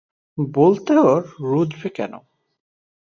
বলতে ওর রুচবে কেন।